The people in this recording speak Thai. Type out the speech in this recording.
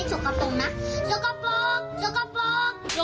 สกปรกปลอกขนาดนี้เลย